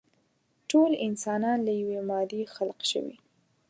ټول انسانان له يوې مادې خلق شوي.